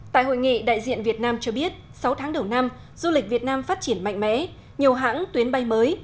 tại hội nghị đại diện việt nam cho biết sáu tháng đầu năm du lịch việt nam phát triển mạnh mẽ nhiều hãng tuyến bay mới